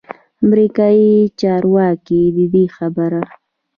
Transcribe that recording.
امریکايي چارواکو ددې خبر